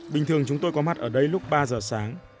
bình thường chúng tôi có mặt ở đây lúc ba giờ sáng